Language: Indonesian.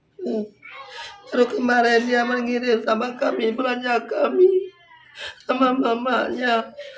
terus kemarin dia mengirim sama kami belanja kami sama mamanya